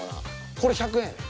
これ１００円やで。